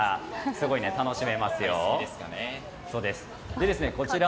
すごい楽しめますよ。